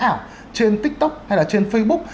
ảo trên tiktok hay là trên facebook